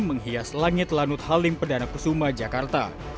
menghias langit lanut halim perdana kusuma jakarta